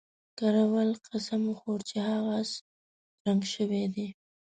کراول قسم وخوړ چې هغه اس رنګ شوی دی.